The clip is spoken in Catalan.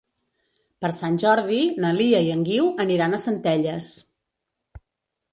Per Sant Jordi na Lia i en Guiu aniran a Centelles.